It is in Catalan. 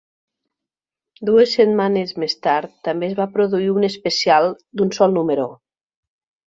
Dues setmanes més tard també es va produir un "especial" d'un sol número.